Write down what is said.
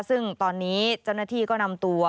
ซึ่งตอนนี้เจ้าหน้าที่ก็นำตัว